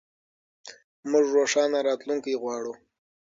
موږ روښانه راتلونکی غواړو.